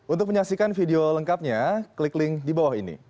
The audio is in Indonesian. untuk menyaksikan video lengkapnya klik link di bawah ini